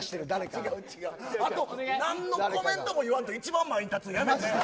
何のコメントも言わんと一番前に立つのやめて！